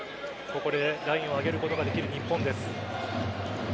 ここでラインを上げることができる日本です。